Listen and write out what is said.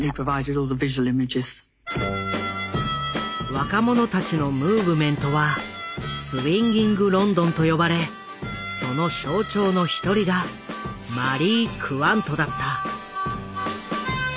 若者たちのムーブメントはスウィンギング・ロンドンと呼ばれその象徴の一人がマリー・クワントだった。